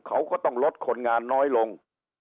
เขาก็ต้องลดคนงานน้อยลง